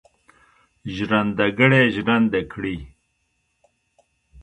ژرندهګړی ژرنده کړي.